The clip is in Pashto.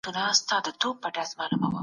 لويه جرګه د اساسي قانون ساتنه کوي.